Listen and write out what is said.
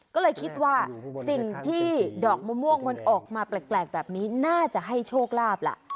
ก็เลยคิดว่าสิ่งที่ดอกมะม่วงมันออกมาแปลกแบบนี้น่าจะให้โชคลาภล่ะ